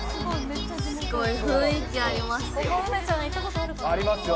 すごい、雰囲気ありますよ。